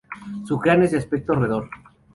Su cráneo es de aspecto roedor.